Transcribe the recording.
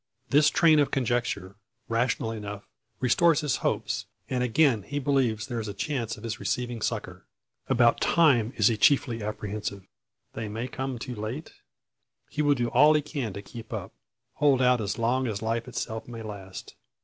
This train of conjecture, rational enough, restores his hopes, and again he believes there is a chance of his receiving succour. About time is he chiefly apprehensive. They may come too late? He will do all he can to keep up; hold out as long as life itself may last.